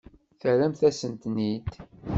Terramt-asen-ten-id.